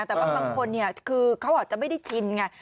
แต่บางคนเขาจะไม่ได้ชินไง